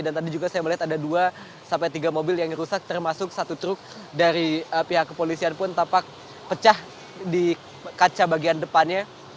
dan tadi juga saya melihat ada dua sampai tiga mobil yang rusak termasuk satu truk dari pihak kepolisian pun tampak pecah di kaca bagian depannya